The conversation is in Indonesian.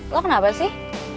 lo kenapa sih